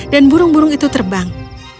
dan burung burung itu terbang